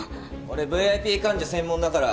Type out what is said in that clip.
俺ＶＩＰ患者専門だから。